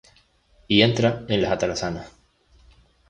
Y entra en las atarazanas.